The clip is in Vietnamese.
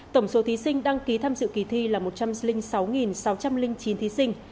tổng số thí sinh đăng ký tham dự kỳ thi là một trăm linh sáu sáu trăm linh chín thí sinh